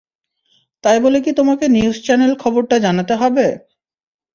তাই বলে কী তোমাকে নিউজ চ্যানেল খবরটা জানাতে হবে?